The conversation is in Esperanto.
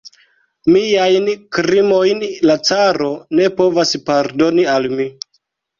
Miajn krimojn la caro ne povas pardoni al mi.